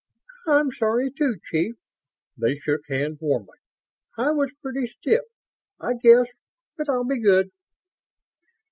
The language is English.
"I'm sorry too, Chief." They shook hands warmly. "I was pretty stiff, I guess, but I'll be good."